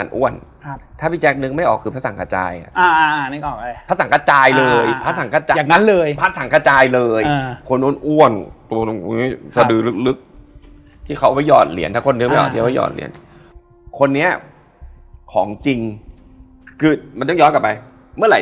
เราไปท่ำนาคานครพนมอะไรใดเอ่ย